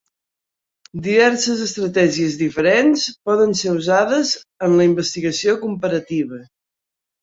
Diverses estratègies diferents poden ser usades en la investigació comparativa.